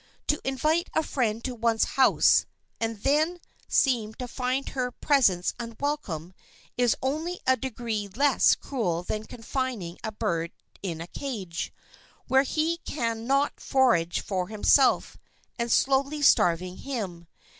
To invite a friend to one's house, and then seem to find her presence unwelcome is only a degree less cruel than confining a bird in a cage, where he can not forage for himself, and slowly starving him.